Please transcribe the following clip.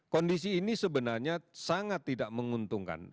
kondisi ini sebenarnya sangat tidak menguntungkan